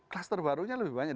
klaster baru nya lebih banyak